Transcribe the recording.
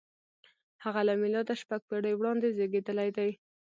• هغه له مېلاده شپږ پېړۍ وړاندې زېږېدلی دی.